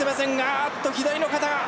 あっと左の肩が。